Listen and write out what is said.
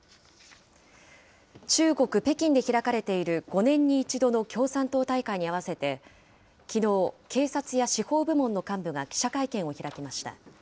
中国・北京で開かれている５年に１度の共産党大会にあわせて、きのう、警察や司法部門の幹部が記者会見を開きました。